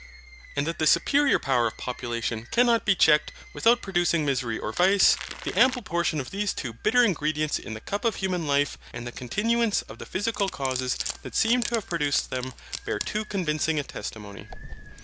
And that the superior power of population cannot be checked without producing misery or vice, the ample portion of these too bitter ingredients in the cup of human life and the continuance of the physical causes that seem to have produced them bear too convincing a testimony.